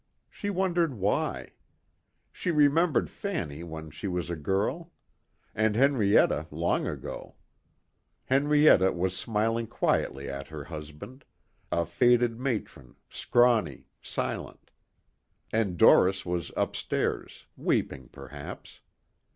She wondered why. She remembered Fanny when she was a girl. And Henrietta long ago. Henrietta was smiling quietly at her husband a faded matron, scrawny, silent. And Doris was upstairs, weeping perhaps.